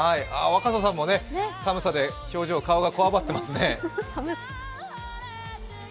若狭さんも寒さで表情、顔がこわばってますね。